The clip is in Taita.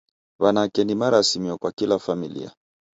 W'anake ni marasimio kwa kila familia